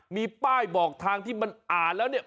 มีป้ายบอกทางที่มันอ่านแล้วเนี่ย